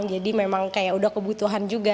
jadi memang kayak udah kebutuhan juga